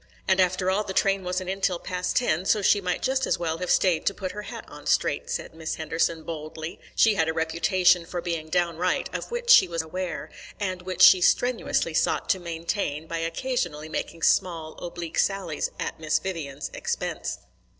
"And, after all, the train wasn't in till past ten, so she might just as well have stayed to put her hat on straight," said Miss Henderson boldly. She had a reputation for being "downright" of which she was aware, and which she strenuously sought to maintain by occasionally making small oblique sallies at Miss Vivian's expense.